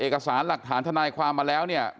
เพราะทนายอันนันชายชายเดชาบอกว่าจะเป็นการเอาคืนยังไง